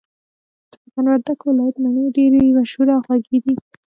د ميدان وردګو ولايت مڼي ډيري مشهوره او خوږې دي